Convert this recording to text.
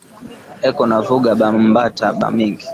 Eko na vuga ba mbata ba mingi